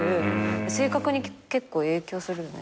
性格に結構影響するよね